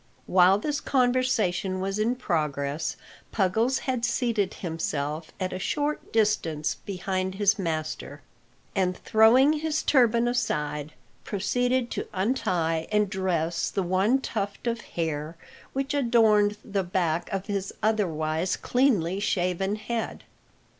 While this conversation was in progress Puggles had seated himself at a short distance behind his master, and throwing his turban aside, proceeded to untie and dress the one tuft of hair which adorned the back of his otherwise cleanly shaven head.